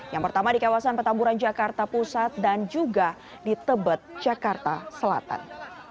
yang pertama di kawasan petamburan jakarta pusat dan juga di tebet jakarta selatan